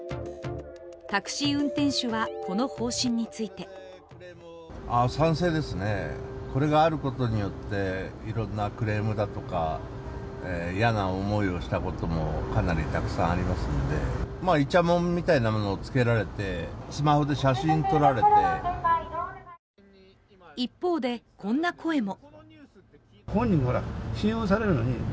タクシー運転手はこの方針について一方でこんな声も。